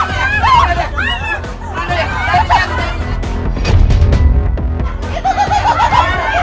hei cantik nih yang pegang tangan gue